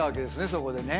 そこでね。